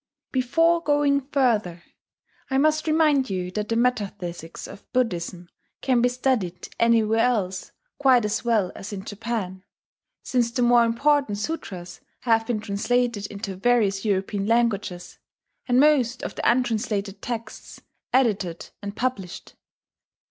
Before going further, I must remind you that the metaphysics of Buddhism can be studied anywhere else quite as well as in Japan, since the more important sutras have been translated into various European languages, and most of the untranslated texts edited and published.